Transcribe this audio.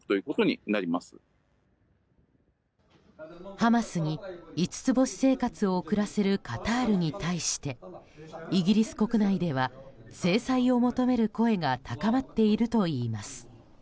ハマスに５つ星生活を送らせるカタールに対してイギリス国内では制裁を求める声が高まっているといいます。